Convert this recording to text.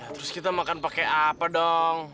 terus kita makan pakai apa dong